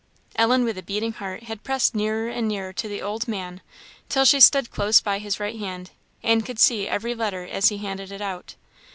Ellen with a beating heart had pressed nearer and nearer to the old man, till she stood close by his right hand, and could see every letter as he handed it out.